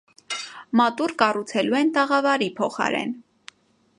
Մատուռ կառուցելու են տաղավարի փոխարեն։